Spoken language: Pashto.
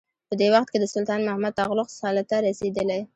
په دې وخت کې د سلطان محمد تغلق سلطه رسېدلې.